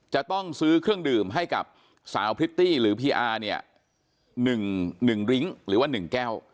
จะต้องซื้อเครื่องดื่มให้กับสาวพริตตี้หรือพีอาร์เนี้ยหนึ่งหนึ่งลิ้งหรือว่าหนึ่งแก้ว